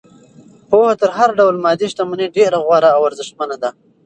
پوهه تر هر ډول مادي شتمنۍ ډېره غوره او ارزښتمنه ده.